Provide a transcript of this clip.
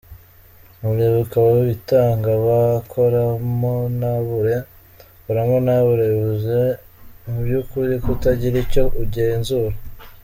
Muribuka abo bitaga ba ‘koramontabure’, koramontabure bivuze mu by’ukuri kutagira icyo ugenzura.